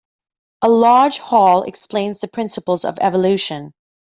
A large hall explains the principles of evolution.